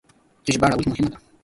چې ژباړه ولې مهمه ده؟